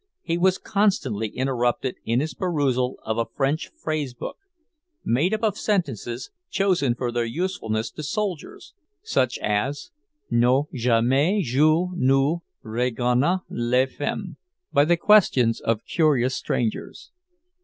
He was constantly interrupted in his perusal of a French phrase book (made up of sentences chosen for their usefulness to soldiers, such as; "Non, jamais je ne regarde les femmes") by the questions of curious strangers.